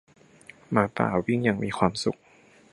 ม้าป่า วิ่งอย่างมีความสุข